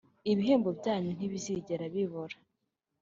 ibihembo byanyu ntibizigera bibura